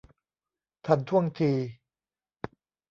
ทันท่วงที